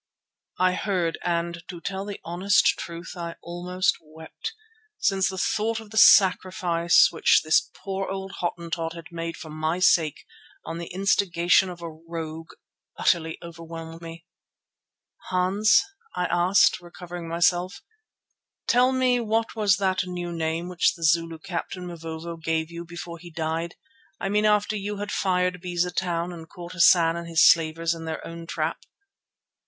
I heard and, to tell the honest truth, almost I wept, since the thought of the sacrifice which this poor old Hottentot had made for my sake on the instigation of a rogue utterly overwhelmed me. "Hans," I asked recovering myself, "tell me what was that new name which the Zulu captain Mavovo gave you before he died, I mean after you had fired Beza Town and caught Hassan and his slavers in their own trap?"